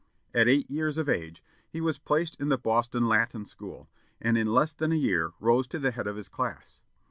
At eight years of age, he was placed in the Boston Latin School, and in less than a year rose to the head of his class.